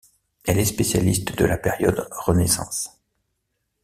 Elle est spécialiste de la période Renaissance.